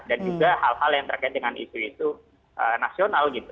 dan juga hal hal yang terkait dengan isu itu nasional gitu